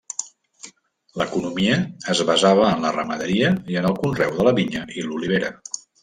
L'economia es basava en la ramaderia i en el conreu de la vinya i l'olivera.